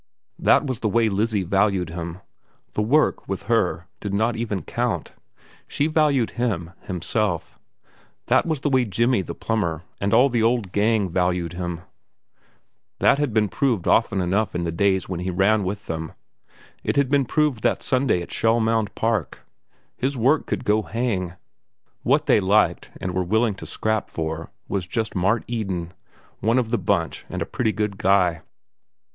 That was the way Lizzie valued him. The work, with her, did not even count. She valued him, himself. That was the way Jimmy, the plumber, and all the old gang valued him. That had been proved often enough in the days when he ran with them; it had been proved that Sunday at Shell Mound Park. His work could go hang. What they liked, and were willing to scrap for, was just Mart Eden, one of the bunch and a pretty good guy.